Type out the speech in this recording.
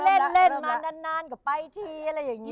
เล่นมานานก็ไปทีอะไรอย่างนี้